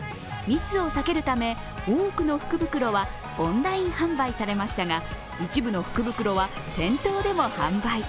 密を避けるため、多くの福袋はオンライン販売されましたが、一部の福袋は店頭でも販売。